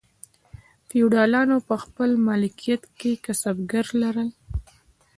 فیوډالانو په خپل مالکیت کې کسبګر لرل.